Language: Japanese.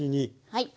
はい。